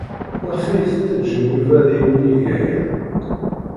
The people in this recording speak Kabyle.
Maɣef ay tettaǧǧam Yuba ad awen-yeg aya?